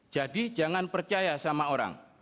jangan percaya sama orang